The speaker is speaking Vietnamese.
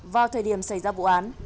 vào thời điểm xảy ra vụ án